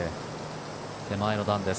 手前の段です。